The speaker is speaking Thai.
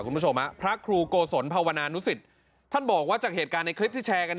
คุณผู้ชมฮะพระครูโกศรภะวรานูศิษฐ์ท่านบอกว่าจากเหตุการณ์ในคลิป